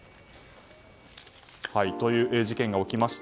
という事件が起きました。